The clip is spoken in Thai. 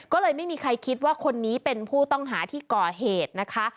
ก็เลยไม่มีใครคิดว่าคนนี้เป็นผู้ต้องหาที่ก่อเหตุนะคะ